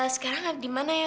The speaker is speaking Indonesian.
sekarang dimana ya